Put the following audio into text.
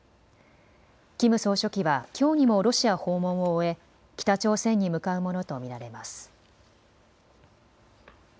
キム総書記はきょうにもロシア訪問を終え北朝鮮に向かうものと見られます。